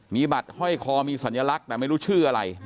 มีบัตรห้อยคอมีสัญลักษณ์แต่ไม่รู้ชื่ออะไร